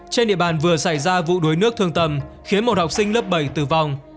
trên địa bàn vừa xảy ra vụ đuối nước thương tầm khiến một học sinh lớp bảy tử vong